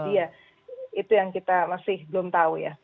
jadi ya itu yang kita masih belum tahu ya